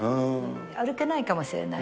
歩けないかもしれない。